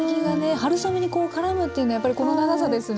春雨にこうからむっていうのはやっぱりこの長さですね。